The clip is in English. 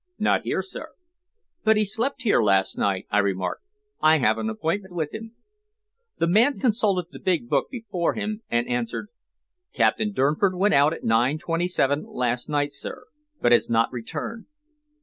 "Not here, sir." "But he slept here last night," I remarked. "I have an appointment with him." The man consulted the big book before him, and answered: "Captain Durnford went out at 9:27 last night, sir, but has not returned."